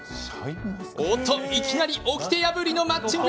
おっと、いきなりおきて破りのマッチング。